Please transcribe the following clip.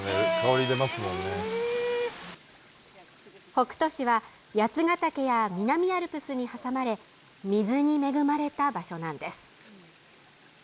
北杜市は八ヶ岳や南アルプスに挟まれ水に恵まれた場所なんです。